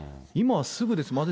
今はすぐです。